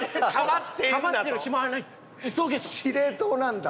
司令塔なんだ。